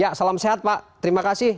ya salam sehat pak terima kasih